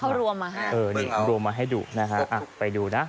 เขารวมมาให้ดูนะฮะไปดูนะ